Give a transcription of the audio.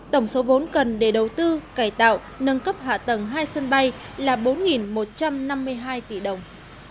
tổng số vốn cần để đầu tư cải tạo nâng cấp hạ tầng hai sân bay là bốn một trăm năm mươi hai tỷ đồng